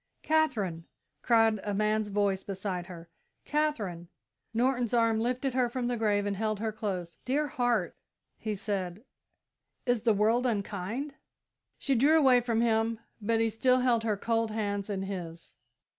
"Katherine!" cried a man's voice beside her; "Katherine!" Norton's arm lifted her from the grave and held her close. "Dear heart," he said, "is the world unkind?" She drew away from him, but he still held her cold hand in his.